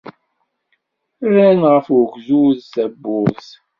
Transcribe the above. Rran ɣef ugdud tawwurt.